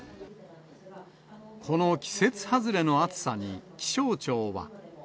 この季節外れの暑さに、気象庁は。